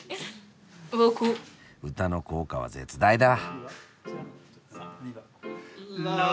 歌の効果は絶大だ。